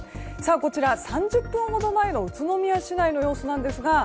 こちら、３０分ほど前の宇都宮市内の映像です。